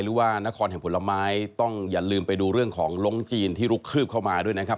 หรือว่านครแห่งผลไม้ต้องอย่าลืมไปดูเรื่องของลงจีนที่ลุกคืบเข้ามาด้วยนะครับ